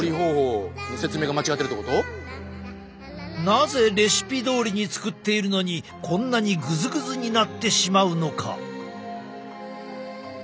なぜレシピどおりに作っているのにこんなにぐずぐずになってしまうのか？